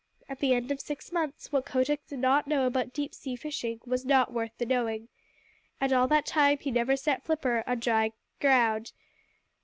At the end of six months what Kotick did not know about deep sea fishing was not worth the knowing. And all that time he never set flipper on dry ground.